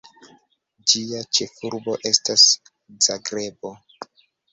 Ĝia ĉefurbo estas Zagrebo.